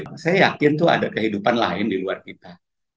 saya yakin tuh ada kehidupan lain di luar kita